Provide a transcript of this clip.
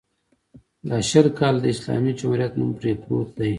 دا شل کاله د اسلامي جمهوریت نوم پرې پروت دی.